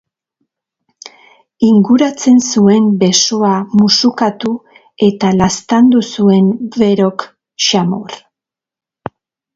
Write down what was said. Inguratzen zuen besoa musukatu eta laztandu zuen Verok, xamur.